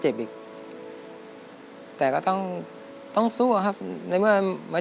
เจ็บอีกแต่ก็ต้องต้องสู้อะครับในเมื่อไม่